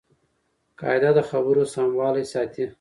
قاعده د خبرو سموالی ساتي.